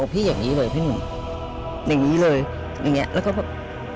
พี่อย่างนี้เลยพี่หนุ่มอย่างนี้เลยอย่างเงี้แล้วก็แบบ